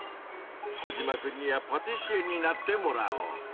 コジマくんにはパティシエになってもらおう！